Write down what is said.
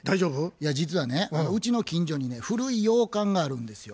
いや実はねうちの近所にね古い洋館があるんですよ。